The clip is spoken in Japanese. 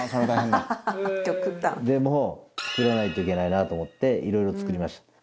大久保：でも作らないといけないなと思っていろいろ作りました。